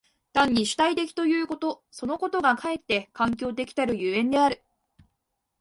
単に主体的ということそのことがかえって環境的たる所以である。